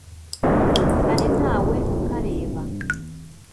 ari ntawe ukareba